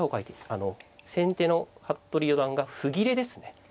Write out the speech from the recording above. あの先手の服部四段が歩切れですね。